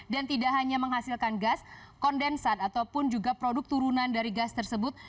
dan tidak hanya menghasilkan gas kondensat ataupun juga produk turunan dari gas tersebut